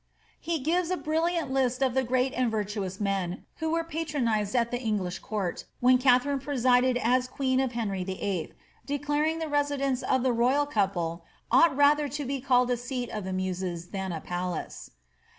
He gives a brilliant list of the great and vir tuous men, who were patronised at the English court when Katharine presided aa queen of Henry Vlll^ declaring the residence of the royal con|^ <* ought rather to be called a seat of the muses than a palace."